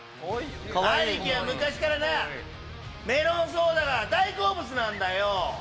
兄貴は昔からな、メロンソーダが大好物なんだよ！